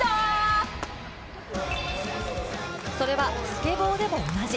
それはスケボーでも同じ。